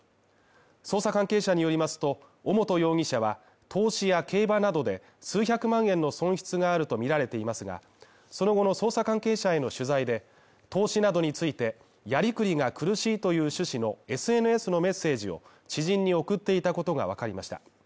捜査関係者によりますと、尾本容疑者は、投資や競馬などで数百万円の損失があるとみられていますが、その後の捜査関係者への取材で、投資などについてやりくりが苦しいという趣旨のＳＮＳのメッセージを知人に送っていたことがわかりました。